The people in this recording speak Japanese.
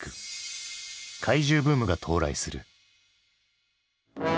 怪獣ブームが到来する。